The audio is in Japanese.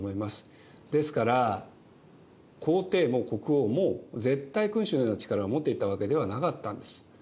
ですから皇帝も国王も絶対君主のような力を持っていたわけではなかったんです。